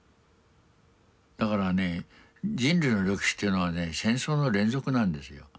だからね人類の歴史というのはね戦争の連続なんですよ。